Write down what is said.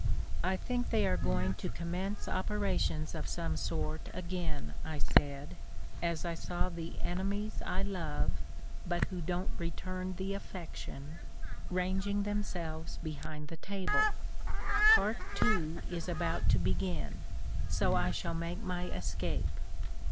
"I think they are going to commence operations of some sort again," I said, as I saw the enemies I love, but who don't return the affection, ranging themselves behind the table; "part two is about to begin, so I shall make my escape.